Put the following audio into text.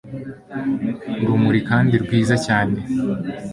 urumuri kandi rwiza cyane